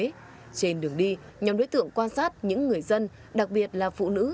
trên đường đi nhóm đối tượng quan sát những người dân đặc biệt là phụ nữ